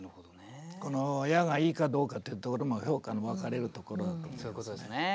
この「や」がいいかどうかっていうところも評価の分かれるところだと思いますね。